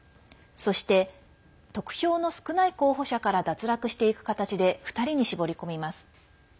そして、得票の少ない候補者から脱落していく形で２人に絞り込みます。